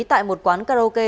tại một quán karaoke